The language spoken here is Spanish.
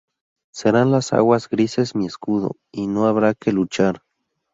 Serán las aguas grises mi escudo y no habrá que luchar".